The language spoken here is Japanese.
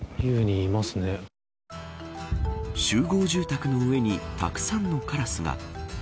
集合住宅の上にたくさんのカラスが。